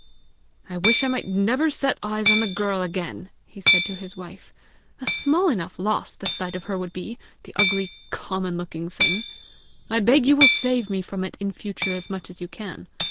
"I wish I might never set eyes on the girl again!" he said to his wife. "A small enough loss the sight of her would be, the ugly, common looking thing! I beg you will save me from it in future as much as you can.